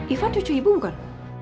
iban tujuh ribu bukan